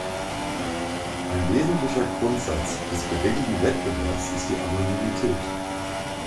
Ein wesentlicher Grundsatz des geregelten Wettbewerbs ist die Anonymität.